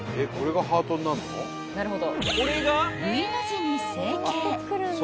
［Ｖの字に成形］